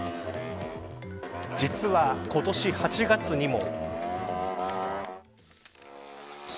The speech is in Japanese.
実は今年８月にも。